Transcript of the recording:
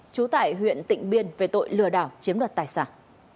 trú tại huyện tịnh biên về tội lừa đảo chiếm đoạt tài sản